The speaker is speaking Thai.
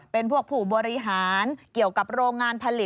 เป็นพวกผู้บริหารเกี่ยวกับโรงงานผลิต